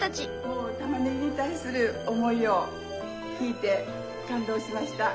もうたまねぎに対する思いを聞いて感動しました。